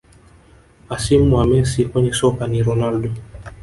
Hasimu wa Messi kwenye soka ni Ronaldo